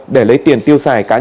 để lấy tiền tiêu xài cá nhân